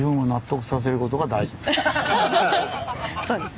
そうです。